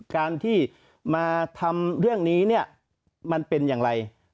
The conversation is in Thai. การที่มาทำเรื่องนี้เนี่ยมันเป็นอย่างไร